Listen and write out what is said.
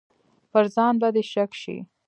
پر ځان به دې شک شي.